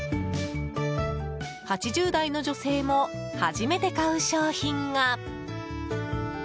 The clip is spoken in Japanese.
８０代の女性も初めて買う商品が。